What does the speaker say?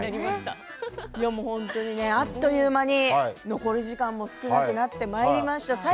本当にあっという間に残り時間も少なくなってまいりました。